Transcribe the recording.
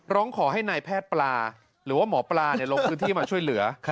ร้องขอให้นายแพทย์ปลาหรือว่าหมอปลาลงพื้นที่มาช่วยเหลือ